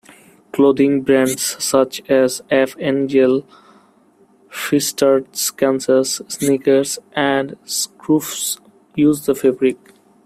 Clothing brands such as F. Engel, Fristads Kansas, Snickers and Scruffs use the fabric.